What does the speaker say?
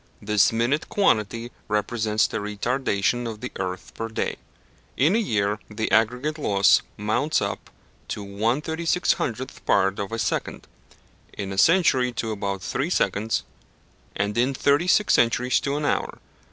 This minute quantity represents the retardation of the earth per day. In a year the aggregate loss mounts up to 1/3600th part of a second, in a century to about three seconds, and in thirty six centuries to an hour.